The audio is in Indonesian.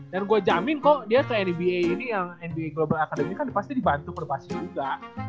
dan gue jamin kok dia ke nba ini yang nba global academy ini kan pasti dibantu perbasis juga